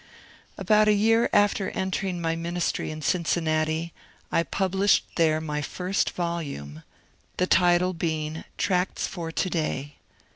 About a year after entering my ministry in Cincinnati, I published there my first volume (pp. 300, 8vo), the title be ing ^' Tracts for To day."